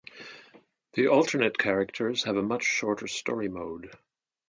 The alternate characters have a much shorter story-mode.